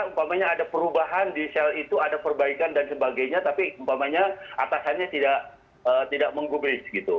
umpamanya ada perubahan di sel itu ada perbaikan dan sebagainya tapi umpamanya atasannya tidak menggubris gitu